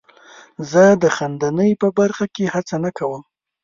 زه د خندنۍ په برخه کې هڅه نه کوم.